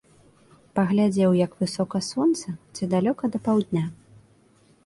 Паглядзеў, як высока сонца, ці далёка да паўдня.